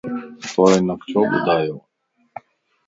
تو ھنک ڇو ٻڌايووَ؟